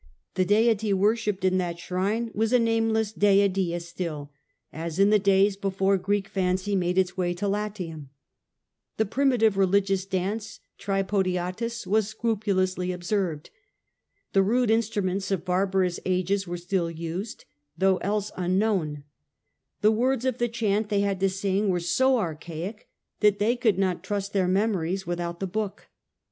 The deity worshipped in that shrine was a nameless Dea Dia still, as in the days before Greek fancy made its way to Latium ; the primitive religious dance (tripodiatus) was scrupulously observed ; the rude instruments of barbarous ages were still used, though else unknown ; the words of the chant they had to sing were so archaic that they could not trust their memories without the book.